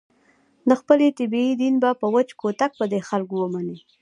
د خپلې طبعې دین به په وچ کوتک په دې خلکو ومني.